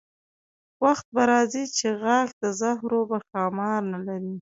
وخت به راځي چې غاښ د زهرو به ښامار نه لري.